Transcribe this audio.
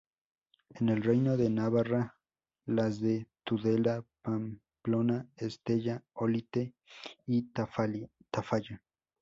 En el reino de Navarra las de Tudela, Pamplona, Estella, Olite y Tafalla.